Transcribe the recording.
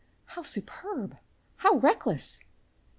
How superb, how reckless!